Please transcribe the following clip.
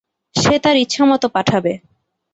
সে তার ইচ্ছামত পাঠাবে।